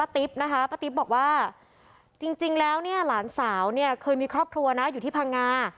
ทีแล้วเนี่ยหลานสาวเนี่ยเคยมีครอบครัวนะอยู่ที่พังงา